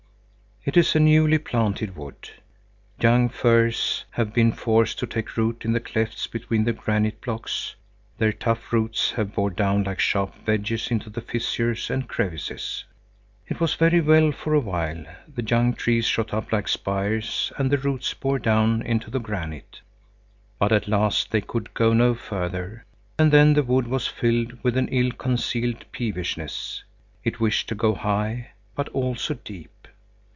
It is a newly planted wood. Young firs have been forced to take root in the clefts between the granite blocks. Their tough roots have bored down like sharp wedges into the fissures and crevices. It was very well for a while; the young trees shot up like spires, and the roots bored down into the granite. But at last they could go no further, and then the wood was filled with an ill concealed peevishness. It wished to go high, but also deep.